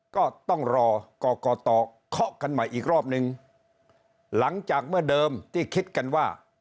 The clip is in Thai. ก็ต้องรอกรกตเคาะกันใหม่อีกรอบนึงหลังจากเมื่อเดิมที่คิดกันว่า